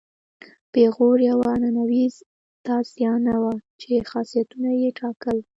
پیغور یوه عنعنوي تازیانه وه چې خاصیتونه یې ټاکل.